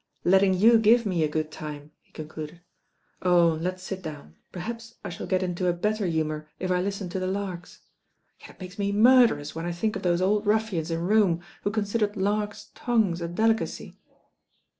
"Letting you give me a good time," he concluded. "Oh ! let's sit down, perhaps I shall get into a better humour if I listen to the larks. Yet it makes me murderous when I think of those old rufBans in :,! 'I k i, 188 THE RAIN OIRL Rome who considered larkt' tongues a delicacy."